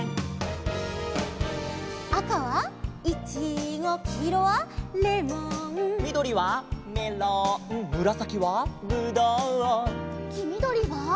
「赤はイチゴきいろはレモン」「みどりはメロンむらさきはブドウ」「きみどりは」